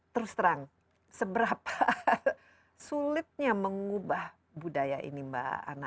terus terang seberapa sulitnya mengubah budaya ini mbak anna